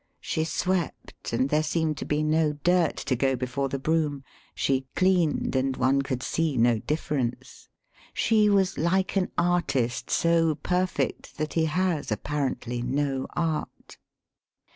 [She swept, and there seemed to be no dirt to go before the broom ; she cleaned, and one could see no difference. She was like an artist so perfect that he has apparently no art.